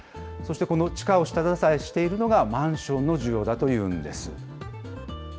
そしてこの地価を下支えしているのが、マンションの需要だというんです。